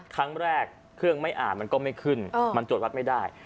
ครั้งแรกเครื่องไม่อ่านมันก็ไม่ขึ้นมันตรวจวัดไม่ได้